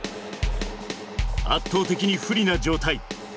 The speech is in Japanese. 圧倒的に不利な状態。